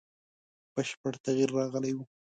بشپړ تغییر راغلی وو.